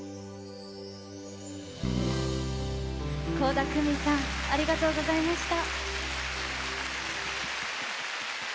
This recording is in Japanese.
倖田來未さんありがとうございました。